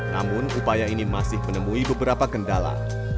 namun upaya ini masih menemui beberapa kendala